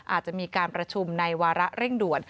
อาจจะมีการประชุมในวาระเร่งด่วน